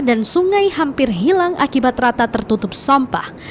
dan sungai hampir hilang akibat rata tertutup sampah